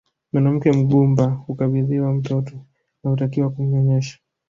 Mwanamke mgumba hukabidhiwa mtoto na hutakiwa kumnyonyesha